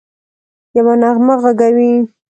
یوه نغمه ږغوي